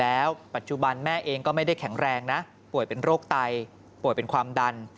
แล้วปัจจุบันแม่เองก็ไม่ได้แข็งแรงนะป่วยเป็นโรคไตป่วยเป็นความดัน